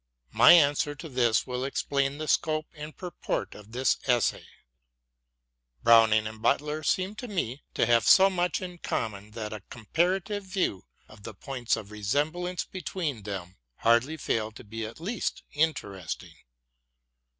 My answer to this will explain the scope and purport of this essay. Butler and Browning 199 200 BROWNING AND BUTLER seem to me to have so much in common that a comparative review of the points of resemblance between them can hardly fail to be at least interesting.